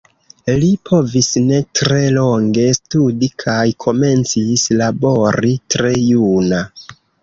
Li povis ne tre longe studi kaj komencis labori tre juna.